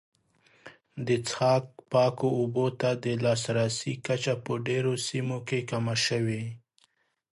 د څښاک پاکو اوبو ته د لاسرسي کچه په ډېرو سیمو کې کمه شوې.